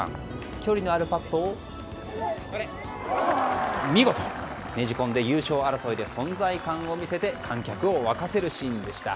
距離のあるパットを見事、ねじ込んで優勝争いで存在感を見せて観客を沸かせるシーンでした。